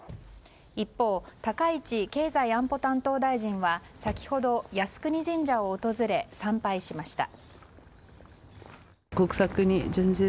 一方、高市経済安保担当大臣は先ほど靖国神社を訪れ参拝しました。